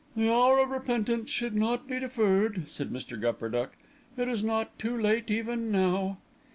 "The hour of repentance should not be deferred," said Mr. Gupperduck. "It is not too late even now."